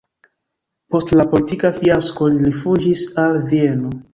Post la politika fiasko li rifuĝis al Vieno.